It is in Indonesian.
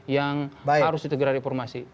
yang harus ditergirai reformasi